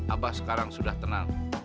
abah sekarang sudah tenang